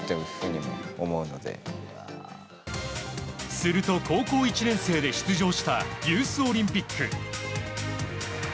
すると、高校１年生で出場したユースオリンピック。